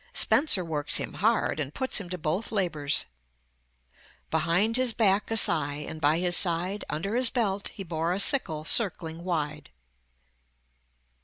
Spenser works him hard, and puts him to both labors: "Behinde his backe a sithe, and by his side Under his belt he bore a sickle circling wide."